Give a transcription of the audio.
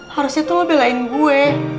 harusnya tuh lo belain gue